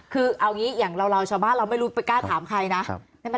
คือเอางี้อย่างเราชาวบ้านเราไม่รู้ไปกล้าถามใครนะ